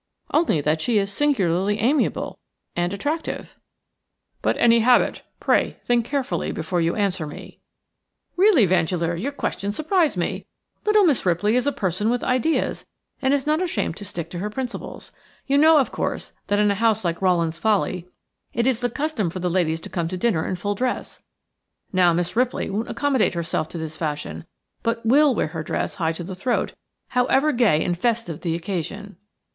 "Only that she is singularly amiable and attractive." "But any habit – pray think carefully before you answer me." "Really, Vandeleur, your questions surprise me. Little Miss Ripley is a person with ideas and is not ashamed to stick to her principles. You know, of course, that in a house like Rowland's Folly it is the custom for the ladies to come to dinner in full dress. Now, Miss Ripley won't accommodate herself to this fashion, but will wear her dress high to the throat, however gay and festive the occasion."